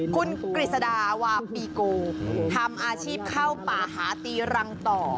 คุณกฤษฎาวาปีโกทำอาชีพเข้าป่าหาตีรังต่อ